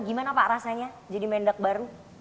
gimana pak rasanya jadi mendak baru